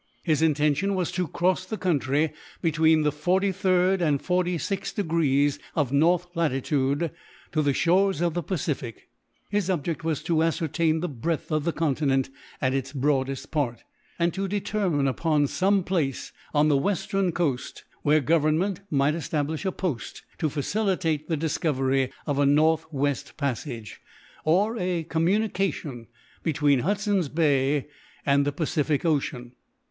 His intention was to cross the country, between the forty third and forty sixth degrees of north latitude, to the shores of the Pacific. His object was to ascertain the breadth of the continent at its broadest part, and to determine upon some place, on the western coast, where government might establish a post to facilitate the discovery of a north west passage, or a communication between Hudson's bay, and the Pacific ocean.